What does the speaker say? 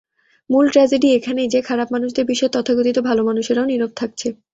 মূল ট্র্যাজেডি এখানেই যে, খারাপ মানুষদের বিষয়ে তথাকথিত ভালো মানুষেরাও নীরব থাকছে।